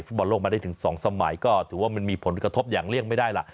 บอลโลกมาได้ถึง๒สมัยก็ถือว่ามันมีผลกระทบอย่างเลี่ยงไม่ได้ล่ะ